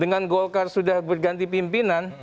dengan golkar sudah berganti pimpinan